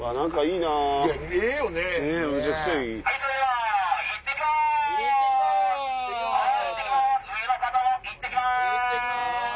いってきます！